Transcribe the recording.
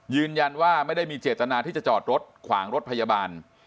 ยืนยันว่าไม่ได้มีเจตนาที่จะจอดรถขวางรถพยาบาล